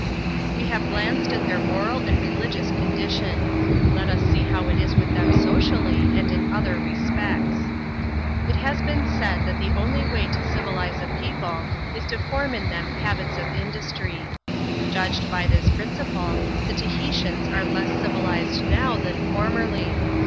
We have glanced at their moral and religious condition ; let us see how it is with them socially, and in other respects. It has been said that the only way to civilize a people is to form in them habits of industry. Judged by this principle, the Tahitians are less civilized now than formerly.